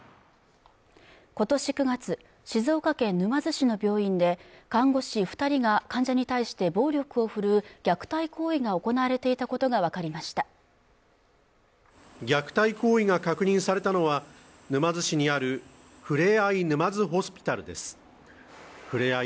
今年９月静岡県沼津市の病院で看護師二人が患者に対して暴力を振るう虐待行為が行われていたことが分かりました虐待行為が確認されたのは沼津市にあるふれあい